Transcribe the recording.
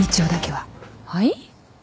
はい？